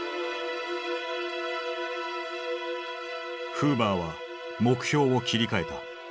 フーバーは目標を切り替えた。